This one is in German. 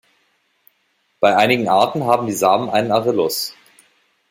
Bei einigen Arten haben die Samen einen Arillus.